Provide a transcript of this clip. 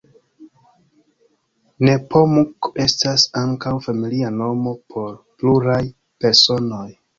Nepomuk estas ankaŭ familia nomo por pluraj personoj.